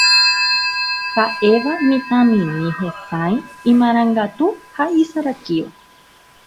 ha'éva mitãmimi hesãi, imarangatu ha isarakíva.